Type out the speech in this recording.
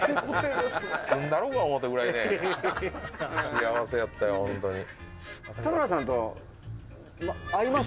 幸せやったよ、ホントに。